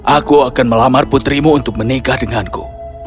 aku akan melamar putrimu untuk menikah denganku